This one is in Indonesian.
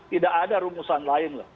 tidak ada rumusan lain